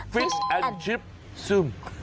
ฟิชแอนด์ชิปซึม